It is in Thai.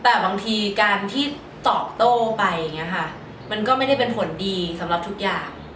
แต่บางทีการที่ตอบโต้ไปอย่างนี้ค่ะมันก็ไม่ได้เป็นผลดีสำหรับทุกอย่าง